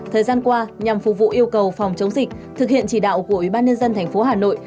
thời gian qua nhằm phục vụ yêu cầu phòng chống dịch thực hiện chỉ đạo của ubnd tp hà nội